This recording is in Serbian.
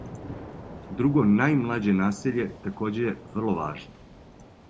Друго најмлађе насеље такође је врло важно.